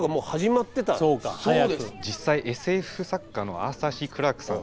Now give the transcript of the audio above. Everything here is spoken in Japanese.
実際ＳＦ作家のアーサー・Ｃ・クラークさん